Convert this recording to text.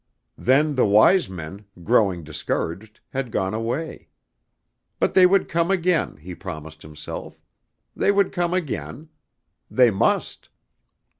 Then the Wise Men, growing discouraged, had gone away. But they would come again, he promised himself. They would come again. They must.